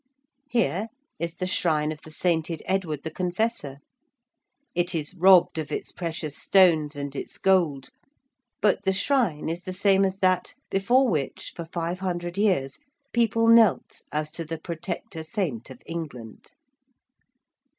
Here is the shrine of the sainted Edward the Confessor. It is robbed of its precious stones and its gold: but the shrine is the same as that before which for five hundred years people knelt as to the protector saint of England.